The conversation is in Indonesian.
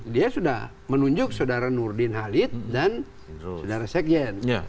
dia sudah menunjuk saudara nurdin halid dan saudara sekjen